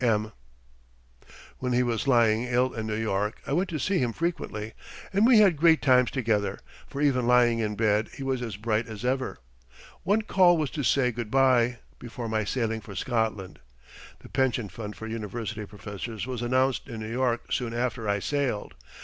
M. When he was lying ill in New York I went to see him frequently, and we had great times together, for even lying in bed he was as bright as ever. One call was to say good bye, before my sailing for Scotland. The Pension Fund for University Professors was announced in New York soon after I sailed.